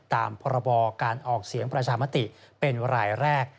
ตามพรบการออกเสียงประชามติเป็นรายแรก